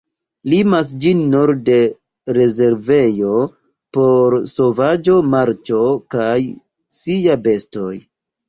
Limas ĝin norde rezervejo por sovaĝa marĉo kaj sia bestoj.